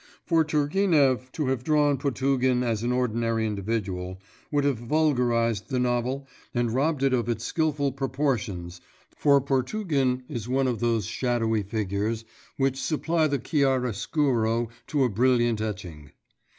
For Turgenev to have drawn Potugin as an ordinary individual would have vulgarised the novel and robbed it of its skilful proportions, for Potugin is one of those shadowy figures which supply the chiaroscuro to a brilliant etching.